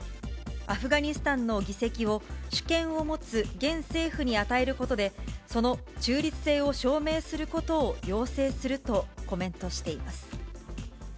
アフガニスタンの議席を主権を持つ現政府に与えることで、その中立性を証明することを要請するとコメントしています。